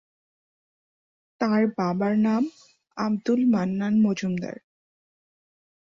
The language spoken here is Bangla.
তার বাবার নাম আবদুল মান্নান মজুমদার।